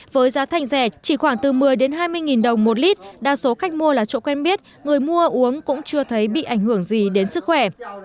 với giá thành rẻ chỉ khoảng từ một mươi hai mươi nghìn đồng một lít đa số khách mua là chỗ quen biết người mua uống cũng chưa thấy bị ảnh hưởng gì đến sức khỏe